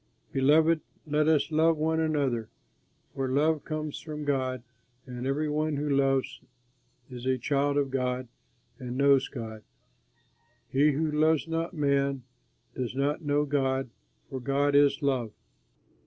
Beloved, let us love one another, for love comes from God and every one who loves is a child of God and knows God. He who loves not man does not know God, for God is love.